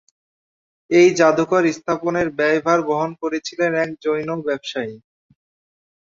এই জাদুঘর স্থাপনের ব্যয়ভার বহন করেছিলেন এক জৈন ব্যবসায়ী।